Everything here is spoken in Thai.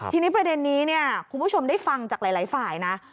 ทีนี้ประเด็นนี้เนี่ยคุณผู้ชมได้ฟังจากหลายฝ่ายนะ